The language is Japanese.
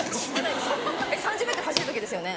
３０ｍ走る時ですよね